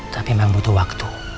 tapi memang butuh waktu